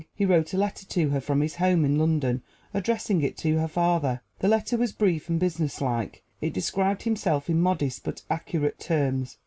He wrote a letter to her from his home in London, addressing it to her father. The letter was brief and businesslike. It described himself in modest but accurate terms.